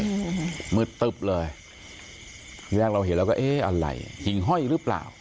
อืมมืดตึ๊บเลยทีแรกเราเห็นแล้วก็เอ๊ะอะไรหิ่งห้อยหรือเปล่า